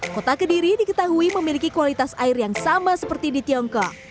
kota kediri diketahui memiliki kualitas air yang sama seperti di tiongkok